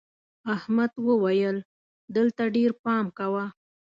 احمد وويل: دلته ډېر پام کوه.